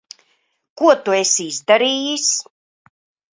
Ko tu esi izdarījis?